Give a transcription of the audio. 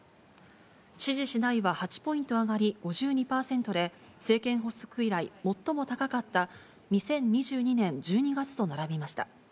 支持しないは８ポイント上がり５２％で、政権発足以来、最も高かった２０２２年１２月と並びました。